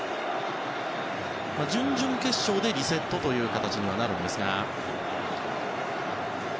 準々決勝でリセットという形にはなるんですが。